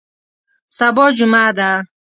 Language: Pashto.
سبا جمعه ده